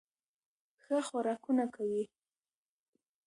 ښه خوراکونه کوي